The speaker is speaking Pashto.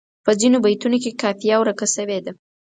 په ځینو بیتونو کې قافیه ورکه شوې ده.